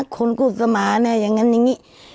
คุณกุศมาเนี่ยอย่างงั้นอย่างงี้